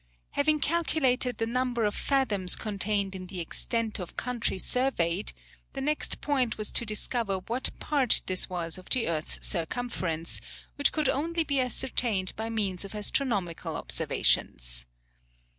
Having calculated the number of fathoms contained in the extent of country surveyed, the next point was to discover what part this was of the earth's circumference, which could only be ascertained by means of astronomical observations.